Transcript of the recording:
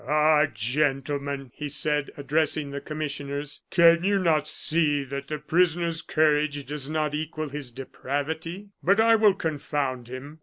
"Ah, gentlemen!" he said, addressing the commissioners, "can you not see that the prisoner's courage does not equal his depravity? But I will confound him.